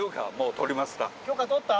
許可取った？